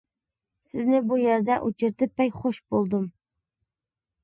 سىزنى بۇ يەردە ئۇچرىتىپ بەك خۇش بولدۇم.